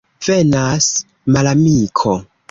Venas malamiko!